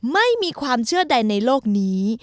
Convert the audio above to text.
ไม่มีความเชื่อใดในโลกนี้